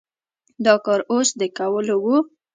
دا کار اوس د کولو و؟